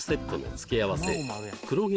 付け合わせ黒毛